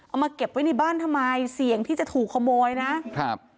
เอามาเก็บไว้ในบ้านทำไมเสี่ยงที่จะถูกขโมยนะครับ